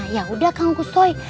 ya udah kangkusoy